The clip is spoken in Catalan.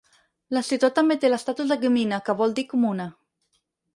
La ciutat també té l'estatus de "gmina", que vol dir "comuna".